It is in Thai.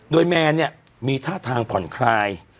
โดยแมนเนี่ยมีท่าทางผ่อนคลาย